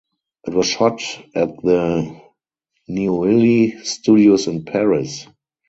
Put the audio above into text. It was shot at the Neuilly Studios in Paris.